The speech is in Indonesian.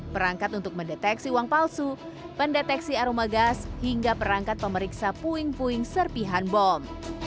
perangkat untuk mendeteksi uang palsu pendeteksi aroma gas hingga perangkat pemeriksa puing puing serpihan bom